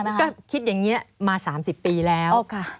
แล้วก็คิดอย่างนี้มา๓๐ปีแล้ว